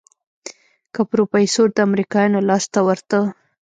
که پروفيسر د امريکايانو لاس ته ورته.